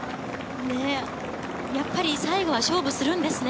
やっぱり最後は勝負するんですね。